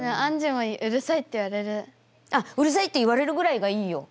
あっ「うるさい」って言われるぐらいがいいよ。